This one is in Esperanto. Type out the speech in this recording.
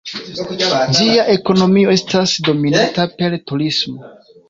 Ĝia ekonomio estas dominata per turismo.